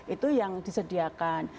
itu yang disediakan